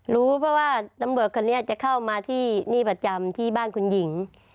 รู้เพราะว่าตำรวจคนนี้จะเข้ามาที่นี่ประจำที่บ้านคุณหญิง